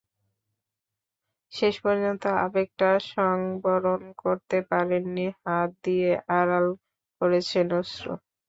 শেষ পর্যন্ত আবেগটা সংবরণ করতে পারেননি, হাত দিয়ে আড়াল করেছেন অশ্রু।